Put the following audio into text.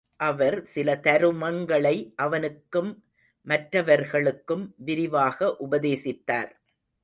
அவர் சில தருமங்களை அவனுக்கும் மற்றவர்களுக்கும் விரிவாக உபதேசித்தார்.